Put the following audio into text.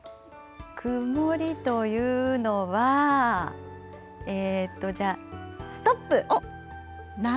曇りというのは、じゃあ、ストップ。